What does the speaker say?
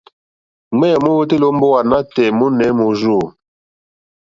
Ŋwéyò mówǒtélì ó mbówà nǎtɛ̀ɛ̀ mɔ́nɛ̌ mórzô.